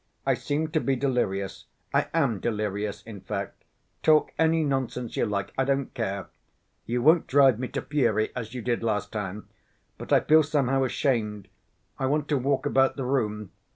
"I seem to be delirious.... I am delirious, in fact, talk any nonsense you like, I don't care! You won't drive me to fury, as you did last time. But I feel somehow ashamed.... I want to walk about the room....